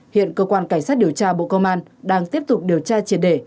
hiện cơ quan cảnh sát điều tra bộ công an đang tiếp tục điều tra triệt đề